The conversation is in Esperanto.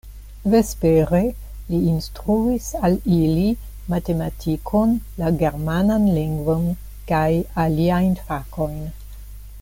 Vespere li instruis al ili matematikon, la germanan lingvon kaj aliajn fakojn.